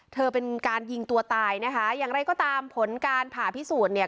เธอเป็นการยิงตัวตายนะคะอย่างไรก็ตามผลการผ่าพิสูจน์เนี่ย